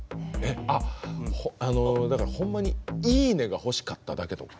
あっだからほんまに「いいね」が欲しかっただけとか？